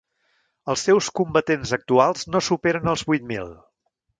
Els seus combatents actuals no superen els vuit mil.